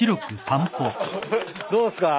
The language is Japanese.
どうっすか？